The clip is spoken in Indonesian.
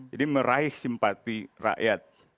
jadi meraih simpati rakyat